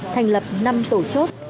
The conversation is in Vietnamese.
thành lập năm tổ chốt